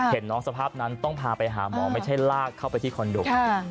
เห็นน้องสภาพนั้นต้องพาไปหาหมอไม่ใช่ลากเข้าไปที่คอนโด